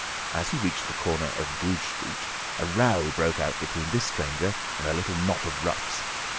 As he reached the corner of Goodge Street, a row broke out between this stranger and a little knot of roughs.